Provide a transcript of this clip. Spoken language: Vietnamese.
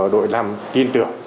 đội năm tin tưởng